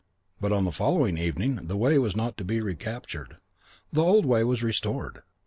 But on the following evening the way was not to be recaptured. The old way was restored.